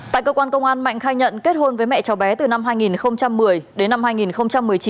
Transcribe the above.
tại cơ quan công an mạnh khai nhận kết hôn với mẹ cháu bé từ năm hai nghìn một mươi đến năm hai nghìn một mươi chín